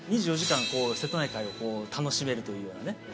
２４時間瀬戸内海を楽しめるというようなね。